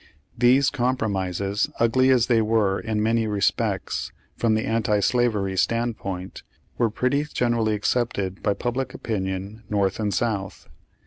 These compromises, ugly as they were in many respects, from the anti slavery standpoint, were pretty generally accepted by public opinion, North and South.